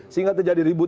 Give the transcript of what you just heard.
sehingga terjadi ribut